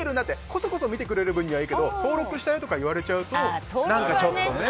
こそこそ見ている分にはいいけど登録したよとか言われちゃうと何かちょっとね。